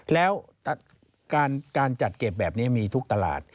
แล้วการจัดเก็บแบบนี้มีทุกตลาด